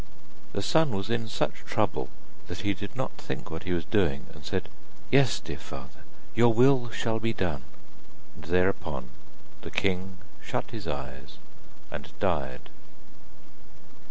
The son was in such trouble that he did not think what he was doing, and said: 'Yes, dear father, your will shall be done,' and thereupon the king shut his eyes, and died.